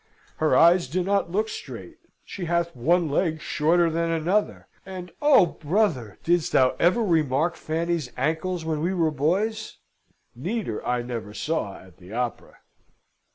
Her eyes do not look straight; she hath one leg shorter than another; and oh, brother! didst thou never remark Fanny's ankles when we were boys? Neater I never saw at the Opera.